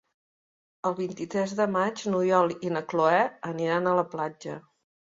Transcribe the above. El vint-i-tres de maig n'Oriol i na Cloè aniran a la platja.